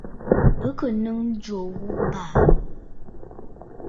Bɨ kɨ̀ nɨ̌ŋ ǹjò ghu abàà.